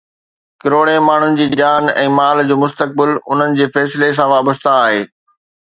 ڪروڙين ماڻهن جي جان ۽ مال جو مستقبل انهن جي فيصلي سان وابسته آهي.